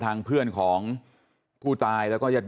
ทางเพื่อนของผู้จายและหญาติและอีก